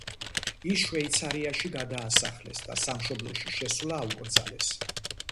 ის შვეიცარიაში გადაასახლეს და სამშობლოში შესვლა აუკრძალეს.